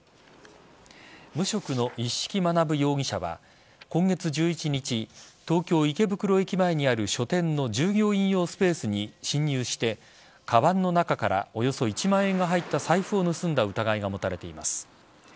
無職の一色学容疑者は今月１１日東京・池袋駅前にある書店の従業員用スペースに侵入してかばんの中からおよそ１万円が入った財布を盗んだ疑いが持たれています。